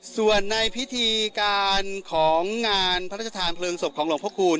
ส่วนในพิธีการของงานพระราชทานเพลิงศพของหลวงพระคูณ